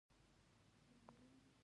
موږ دغه ډیرښت د انبساط په شکل وینو.